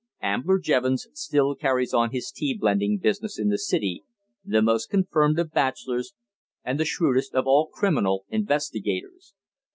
Ambler Jevons still carries on his tea blending business in the City, the most confirmed of bachelors, and the shrewdest of all criminal investigators.